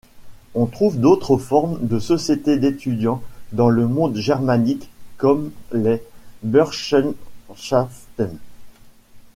On trouve d'autres formes de sociétés d'étudiants dans le monde germanique, comme les Burschenschaften.